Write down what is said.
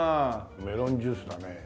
メロンジュースだねえ。